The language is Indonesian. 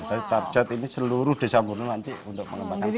tapi target ini seluruh desa burno nanti untuk mengembangkan ini